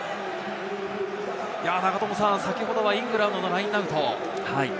先ほどはイングランドのラインアウト。